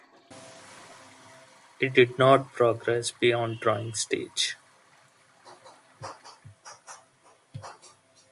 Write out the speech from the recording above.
It did not progress beyond drawing stage.